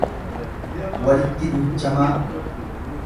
walitti duuchamaa.